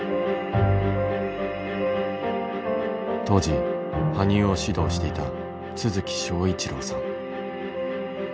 当時羽生を指導していた都築章一郎さん。